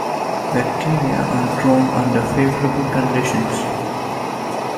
Bacteria are grown under favourable conditions.